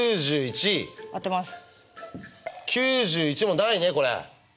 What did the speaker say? ９１もないねこれ。